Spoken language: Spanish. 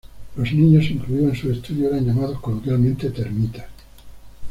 Los niños incluidos en sus estudios eran llamados coloquialmente "termitas".